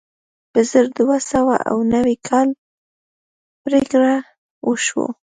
په زر دوه سوه اوه نوي کال پرېکړه وشوه.